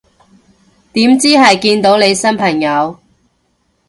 點知係見到你新朋友